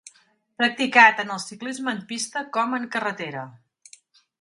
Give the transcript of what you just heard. Practicà tant el ciclisme en pista com en carretera.